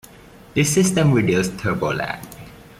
This system reduced turbo lag.